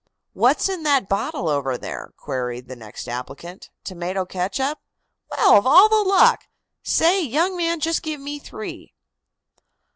"What's in that bottle over there?" queried the next applicant. "Tomato ketchup? Well, of all the luck! Say, young man, just give me three."